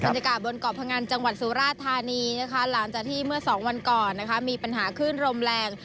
สถานการณ์บนเกาะพังอันจังหวัดสุราธารณีหลังจากที่เมื่อ๒วันก่อนมีปัญหาขึ้นรมแรง